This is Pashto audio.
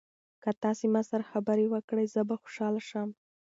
که تاسي ما سره خبرې وکړئ زه به خوشاله شم.